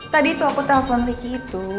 tadi tuh aku telepon riki itu